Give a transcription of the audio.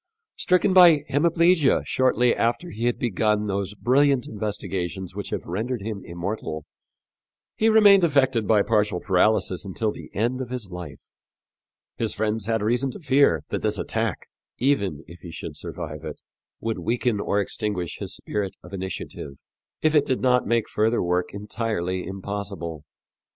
Stricken by hemiplegia shortly after he had begun those brilliant investigations which have rendered him immortal, he remained affected by partial paralysis until the end of his life. His friends had reason to fear that this attack, even if he should survive it, would weaken or extinguish his spirit of initiative, if it did not make further work entirely impossible.